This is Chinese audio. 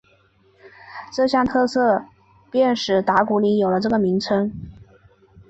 这项特色便使打鼓岭有了这个名称。